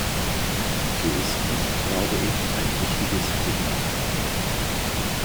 So ist dies, glaube ich, ein wichtiges Signal.